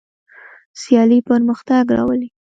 سیالي پرمختګ راولي.